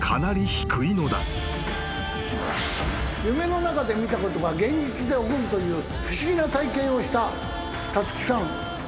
夢の中で見たことが現実で起こるという不思議な体験をしたたつきさん。